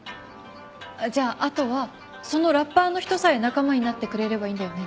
じゃああとはそのラッパーの人さえ仲間になってくれればいいんだよね？